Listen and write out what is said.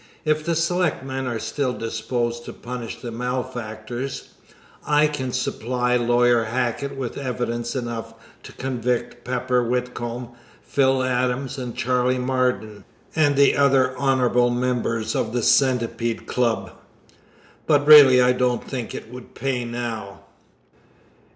If the selectmen are still disposed to punish the malefactors, I can supply Lawyer Hackett with evidence enough to convict Pepper Whitcomb, Phil Adams, Charley Marden, and the other honorable members of the Centipede Club. But really I don't think it would pay now.